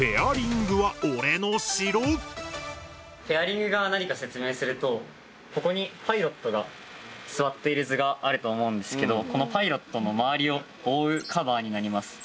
フェアリングが何か説明するとここにパイロットが座っている図があると思うんですけどこのパイロットのまわりを覆うカバーになります。